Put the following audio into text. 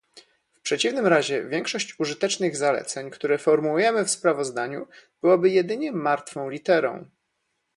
W przeciwnym razie większość użytecznych zaleceń, które formułujemy w sprawozdaniu, byłoby jedynie martwą literą